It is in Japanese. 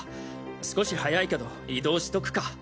少し早いけど移動しとくか。